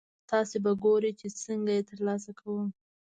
تاسې به ګورئ چې څنګه یې ترلاسه کوم.